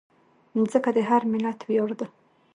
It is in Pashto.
مځکه د هر ملت ویاړ ده.